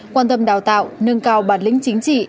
quan tâm đào tạo nâng cao bản lĩnh chính trị